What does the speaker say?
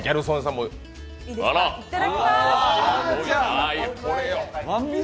いただきまーす！